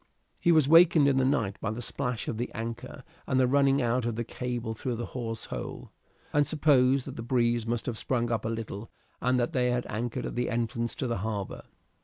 He was wakened in the night by the splash of the anchor and the running out of he cable through the hawse hole, and supposed that the breeze must have sprung up a little, and that they had anchored at the entrance to the harbour.